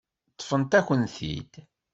Ṭṭfent-akent-t-id.